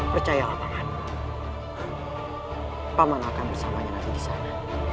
percayalah tangan paman akan bersamanya nanti di sana